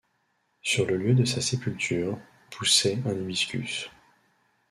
Sur le lieu de sa sépulture, poussait un hibiscus.